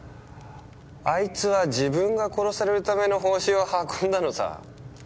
あいつは自分が殺されるための報酬を運んだのさ。